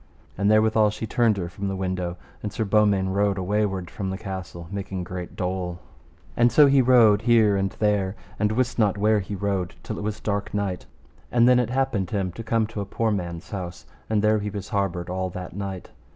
And therewithal she turned her from the window, and Sir Beaumains rode awayward from the castle, making great dole, and so he rode here and there and wist not where he rode, till it was dark night. And then it happened him to come to a poor man's house, and there he was harboured all that night.